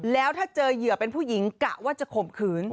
แล้วถ้าเจอเหยื่อเป็นผู้หญิงกะว่าจะข่มขืน